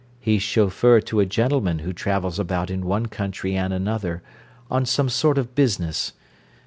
He's chauffeur to a gentleman who travels about in one country and another, on some sort of business.